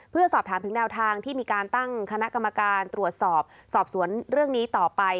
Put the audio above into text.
เพื่อสอบถามถึงแนวทางที่มีการตั้งคณะกรรมการตรวจสอบสอบสวนเรื่องนี้ต่อไป